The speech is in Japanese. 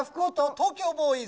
東京ボーイズ！